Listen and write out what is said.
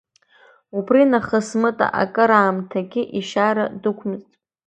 Убри нахыс Мыта акыраамҭагьы ишьара дықәмызт.